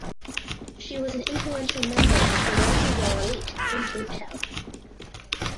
She was an influential member of the wealthy Boer elite in Cape Town.